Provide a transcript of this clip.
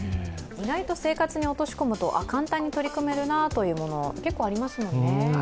意外と生活に落とし込むと簡単に取り込めるなというものも結構ありますもんね。